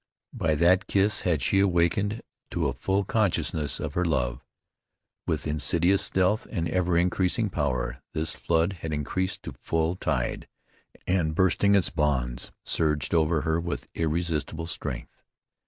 By that kiss had she awakened to a full consciousness of her love. With insidious stealth and ever increasing power this flood had increased to full tide, and, bursting its bonds, surged over her with irresistible strength.